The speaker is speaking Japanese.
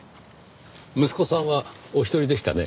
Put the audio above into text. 息子さんはお一人でしたね。